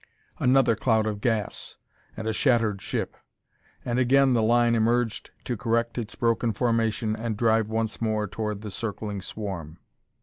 Another cloud of gas! and a shattered ship! and again the line emerged to correct its broken formation and drive once more toward the circling swarm.